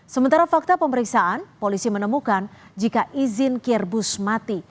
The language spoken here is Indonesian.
sementara fakta pemeriksaan polisi menemukan jika izin kirbus mati